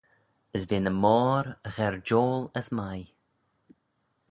As ve ny moir gherjoil as mie.